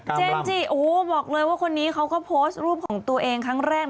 จิโอ้โหบอกเลยว่าคนนี้เขาก็โพสต์รูปของตัวเองครั้งแรก